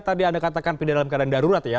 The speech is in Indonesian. tadi anda katakan pindah dalam keadaan darurat ya